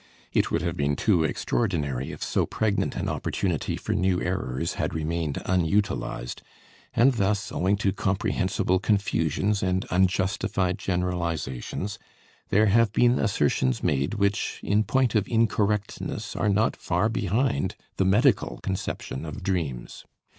It would have been too extraordinary if so pregnant an opportunity for new errors had remained unutilized, and thus, owing to comprehensible confusions and unjustified generalizations, there have been assertions made which, in point of incorrectness are not far behind the medical conception of dreams.